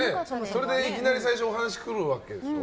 それで、いきなり最初、お話が来るわけでしょ。